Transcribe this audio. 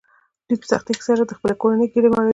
دوی په سختۍ سره د خپلې کورنۍ ګېډه مړوي